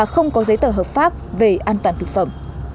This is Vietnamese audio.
không có giấy tờ hợp pháp về an toàn thực phẩm